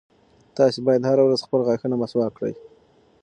تاسي باید هره ورځ خپل غاښونه مسواک کړئ.